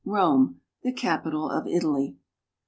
ROME, THE CAPITAL OF ITALY.